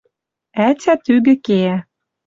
Ӓтя тӱгӹ кеӓ